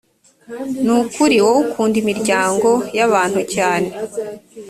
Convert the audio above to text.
ni ukuri, wowe ukunda imiryango y’abantu cyane.